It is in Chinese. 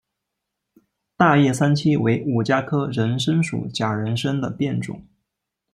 大叶三七为五加科人参属假人参的变种。